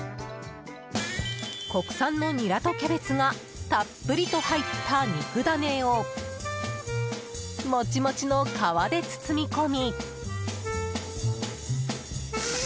国産のニラとキャベツがたっぷりと入った肉だねをもちもちの皮で包み込み。